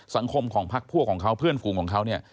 สังคมของพักพวกของเขาเพื่อนฝูงของเขาเนี่ย